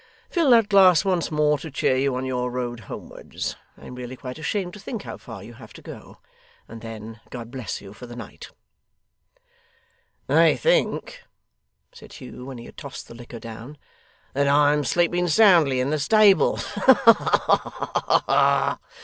Fill that glass once more to cheer you on your road homewards I am really quite ashamed to think how far you have to go and then God bless you for the night.' 'They think,' said Hugh, when he had tossed the liquor down, 'that I am sleeping soundly in the stable. Ha ha ha!